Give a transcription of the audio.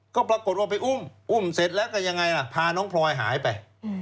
ก็ปรากฏว่าไปอุ้มอุ้มเสร็จแล้วก็ยังไงล่ะพาน้องพลอยหายไป